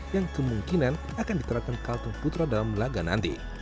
yang kemungkinan akan diterapkan kalteng putra dalam laga nanti